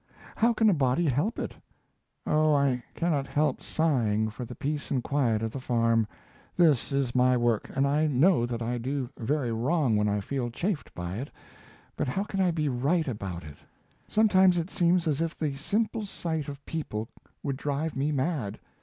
How can a body help it? Oh, I cannot help sighing for the peace and quiet of the farm. This is my work, and I know that I do very wrong when I feel chafed by it, but how can I be right about it? Sometimes it seems as if the simple sight of people would drive me mad.